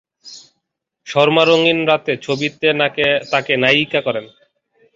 শর্মা রঙিন রাতে ছবিতে তাকে নায়িকা করেন।